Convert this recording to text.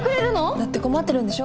だって困ってるんでしょ？